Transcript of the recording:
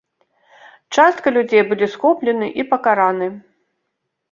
Частка людзей былі схоплены і пакараны.